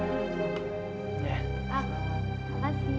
eh calon menteri dateng